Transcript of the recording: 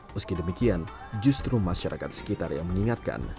meski demikian justru masyarakat sekitar yang mengingatkan